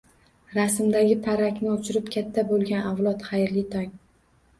Rasmdagi parrakni uchirib katta bo'lgan avlod, xayrli tong!